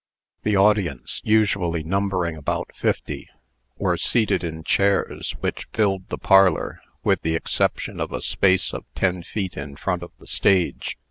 The audience, usually numbering about fifty, were seated in chairs, which filled the parlor, with the exception of a space of ten feet in front of the stage.